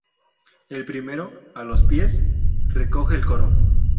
El primero, a los pies, recoge el coro.